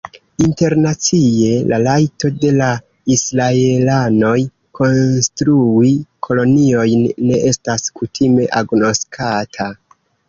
Internacie, la rajto de la Israelanoj konstrui koloniojn ne estas kutime agnoskata.